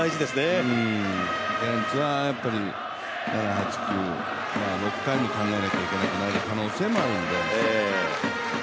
ジャイアンツは７、８、９、６回で投げられなくなる可能性もあるんで。